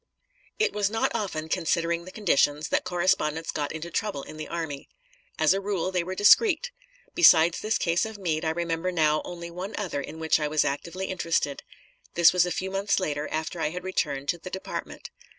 It was not often, considering the conditions, that correspondents got into trouble in the army. As a rule, they were discreet. Besides this case of Meade, I remember now only one other in which I was actively interested; that was a few months later, after I had returned to the department.